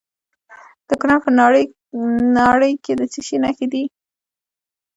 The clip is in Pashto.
د کونړ په ناړۍ کې د څه شي نښې دي؟